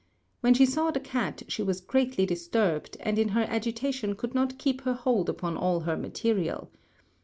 When she saw the cat she was greatly disturbed, and in her agitation could not keep her hold upon all her material.